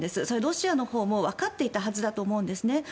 それはロシアのほうもわかっていたはずだと思うんですね。